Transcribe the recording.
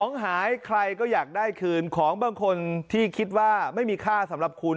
ของหายใครก็อยากได้คืนของบางคนที่คิดว่าไม่มีค่าสำหรับคุณ